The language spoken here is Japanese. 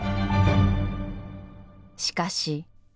しかし。